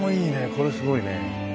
これすごいね。